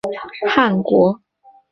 他们有自己的汗国。